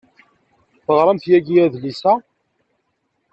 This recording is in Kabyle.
Teɣramt yagi adlis-a.